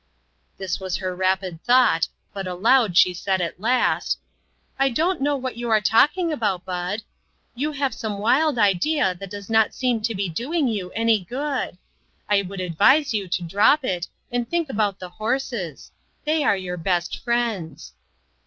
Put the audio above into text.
This was her rapid thought, but aloud she said, at last :" I don't know what you are talking about, Bud. You have some wild idea that does not seem to be doing you any good. I would advise you to drop it and think about the horses ; they are your best friends."